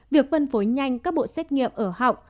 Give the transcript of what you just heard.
việc phân phối nhanh các bộ xét nghiệm ở họng